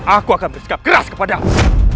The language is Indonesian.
aku akan bersikap keras kepadamu